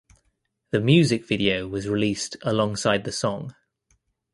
The music video was released alongside the song.